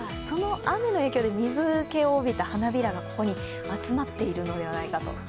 その雨の影響で水けを帯びた花びらがここに集まっているのではないかと。